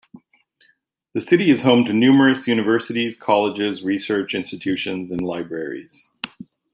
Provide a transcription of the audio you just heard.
The city is home to numerous universities, colleges, research institutions, and libraries.